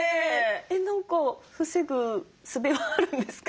何か防ぐすべはあるんですか？